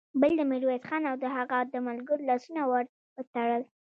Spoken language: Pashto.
بل د ميرويس خان او د هغه د ملګرو لاسونه ور وتړل.